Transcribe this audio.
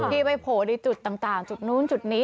ดิไปโผล่ได้จุดต่างต่างจุดนู้นจุดนี้